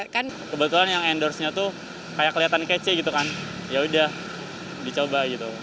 kebetulan yang endorse nya tuh kayak kelihatan kece gitu kan yaudah dicoba gitu